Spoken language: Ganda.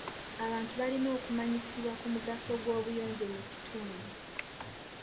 Abantu balina okumanyisibwa ku mugaso gw'obuyonjo mu kitundu.